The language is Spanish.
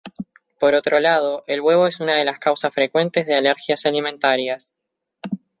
Por otro lado, el huevo es una de las causas frecuentes de alergias alimentarias.